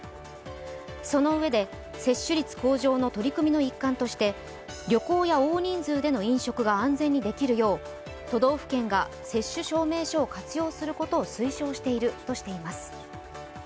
そのうえで、接種率向上の取り組みの一環として旅行や大人数での飲食が安全にできるよう都道府県が接種証明書を活用することを推奨しているとしています。